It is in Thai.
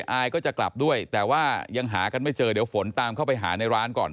อายก็จะกลับด้วยแต่ว่ายังหากันไม่เจอเดี๋ยวฝนตามเข้าไปหาในร้านก่อน